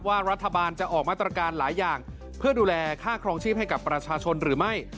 รัฐบาลจะออกมาตรการหลายอย่างเพื่อดูแลค่าครองชีพให้กับประชาชนหรือไม่